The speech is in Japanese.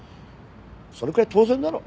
それくらい当然だろ。